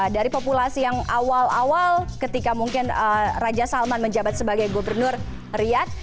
dari populasi yang awal awal ketika mungkin raja salman menjabat sebagai gubernur riyad